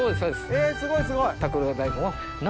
えすごいすごい。